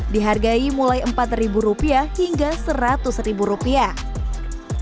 dihargai mulai empat ribu rupiah hingga seratus ribu rupiah